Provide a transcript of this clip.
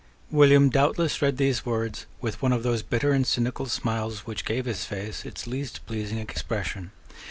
William doubtless read these words with one of those bitter and cynical smiles which gave his face its least pleasing expression.